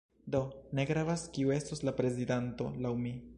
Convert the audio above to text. Do, ne gravas kiu estos la prezidanto laŭ mi